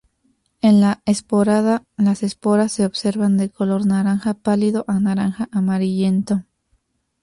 En la esporada, las esporas se observan de color naranja pálido a naranja amarillento.